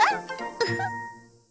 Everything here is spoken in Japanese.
ウフッ。